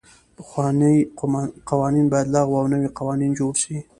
پخواني قوانین باید لغوه او نوي قوانین جوړ سي.